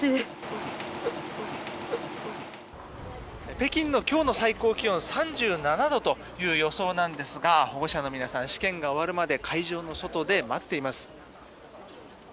北京の今日の最高気温は３７度という予想なんですが保護者の皆さん試験が終わるまで会場の外で待っています。